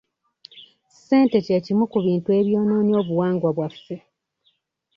Ssente kye kimu ku bintu ebyonoonye obuwangwa bwaffe.